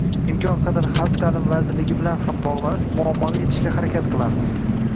imkon qadar Xalq ta’limi vazirligi bilan ham bog‘lanib, muammoni yechishga harakat qilamiz.